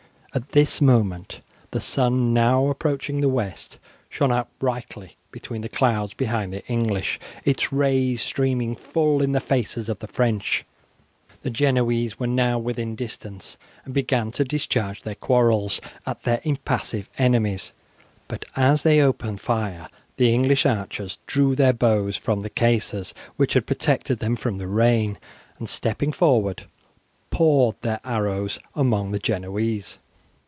At this moment the sun, now approaching the west, shone out brightly between the clouds behind the English, its rays streaming full in the faces of the French. The Genoese were now within distance, and began to discharge their quarrels at their impassive enemies, but as they opened fire the English archers drew their bows from the cases which had protected them from the rain, and stepping forward poured their arrows among the Genoese.